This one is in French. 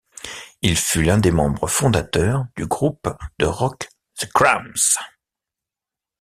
Il fut l'un des membres fondateurs du groupe de rock The Cramps.